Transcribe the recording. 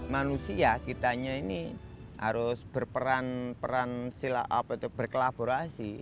manusia kita ini harus berperan peran berkelaborasi